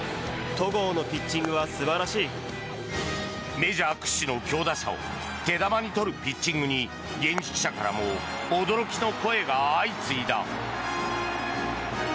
メジャー屈指の強打者を手玉に取るピッチングに現地記者からも驚きの声が相次いだ。